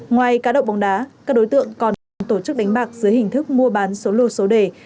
ngoài cá độ bóng đá các đối tượng còn còn tổ chức đánh bạc dưới hình thức mua bán số lô số đề